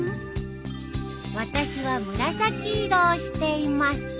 私は紫色をしています。